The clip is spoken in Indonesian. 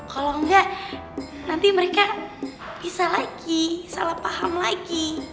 kalau enggak nanti mereka bisa lagi salah paham lagi